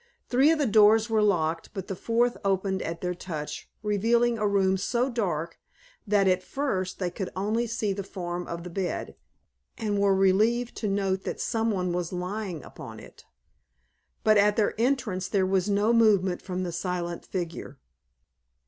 Three of the doors were locked, but the fourth opened at their touch, revealing a room so dark that, at first, they could only see the form of the bed, and were relieved to note that someone was lying upon it. But at their entrance there was no movement from the silent figure.